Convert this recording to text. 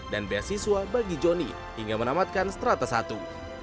dan beasiswa bagi joni hingga menamatkan strata satu